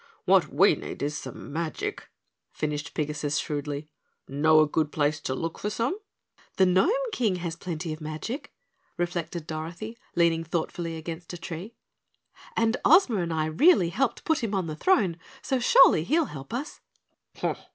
"What we need is some magic," finished Pigasus shrewdly. "Know a good place to look for some?" "The Gnome King has plenty of magic," reflected Dorothy, leaning thoughtfully against a tree, "and Ozma and I really helped put him on the throne, so surely he'll help us."